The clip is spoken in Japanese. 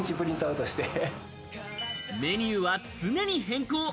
メニューは常に変更。